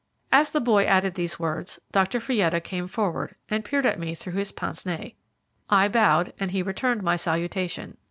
As the boy added these words Dr. Fietta came forward and peered at me through his pince nez. I bowed, and he returned my salutation.